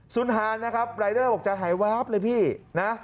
ฮานนะครับรายเดอร์บอกจะหายวาบเลยพี่นะ